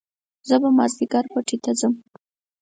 زه به مازيګر پټي ته ځم